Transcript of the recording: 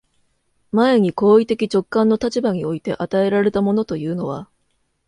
前に行為的直観の立場において与えられたものというのは、